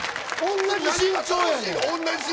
同じ身長やねん！